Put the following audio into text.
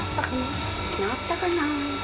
なったかな？